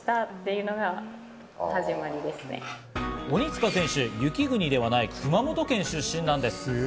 鬼塚選手、雪国ではない熊本県出身なんです。